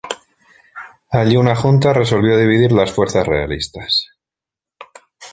Allí una junta resolvió dividir las fuerzas realistas.